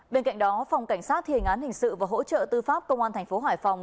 bên cạnh đó phòng cảnh sát thiền án hình sự và hỗ trợ tư pháp công an thành phố hải phòng